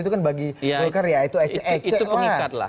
itu kan bagi golkar ya